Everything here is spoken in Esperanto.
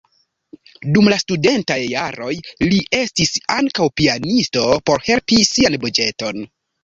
Dum la studentaj jaroj li estis ankaŭ pianisto por helpi sian buĝeton.